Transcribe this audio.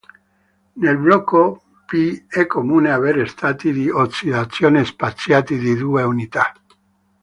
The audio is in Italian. Nel blocco p è comune avere stati di ossidazione spaziati di due unità.